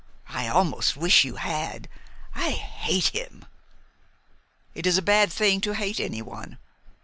I almost wish you had. I hate him!" "It is a bad thing to hate anyone.